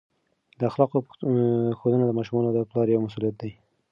د اخلاقو ښودنه د ماشومانو د پلار یوه مسؤلیت دی.